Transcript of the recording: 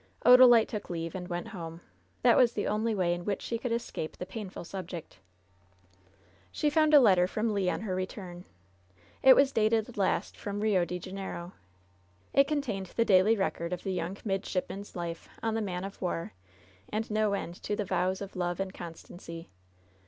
Odalite took leave, and went home. That was the only way in which she could escape the painful subject. She found a letter from Le on her return. It was LOVE'S BITTEREST CUP IS dated last from Eio de Janeiro. It contained the daily record of the young midshipman's life on the man of war, and no end to the vows of love and constancy.